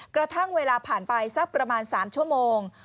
กระทั่งเวลาผ่านไปสักประมาณ๓ชั่วโมง